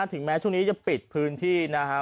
ถึงแม้ช่วงนี้จะปิดพื้นที่นะครับ